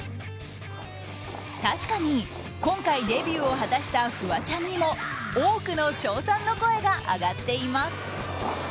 確かに、今回デビューを果たしたフワちゃんにも多くの賞賛の声が上がっています。